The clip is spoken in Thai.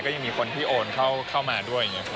ก็ยังมีคนที่โอนเข้ามาด้วยอย่างนี้